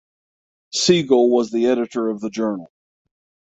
Siegel was the editor of the journal.